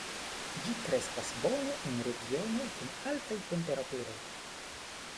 Ĝi kreskas bone en regionoj kun altaj temperaturoj.